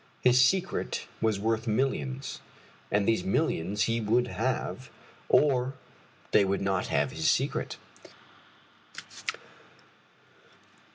His secret was worth millions, and these millions he would have, or they would not have his secret.